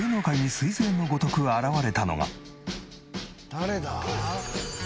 誰だ？